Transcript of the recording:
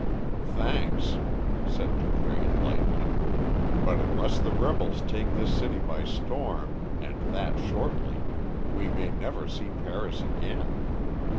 "Thanks," said Dupré, lightly; "but unless the rebels take this city by storm, and that shortly, we may never see Paris again.